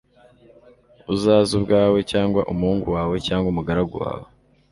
uzaze ubwawe cyangwa umuhungu wawe cyangwa umugaragu wawe